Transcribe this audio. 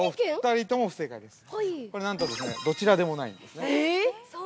これ、なんとどちらでもないんですね。